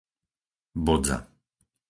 Bodza